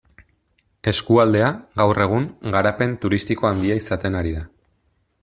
Eskualdea, gaur egun, garapen turistiko handia izaten ari da.